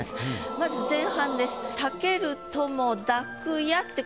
まず前半です。